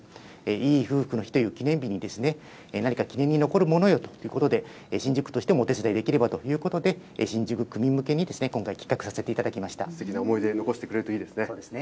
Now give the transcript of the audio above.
いい夫婦の日という記念日に、何か記念に残るものをということで、新宿区としてもお手伝いできればということで、新宿区民向けに今回、企画さすてきな思い出、残してくれそうですね。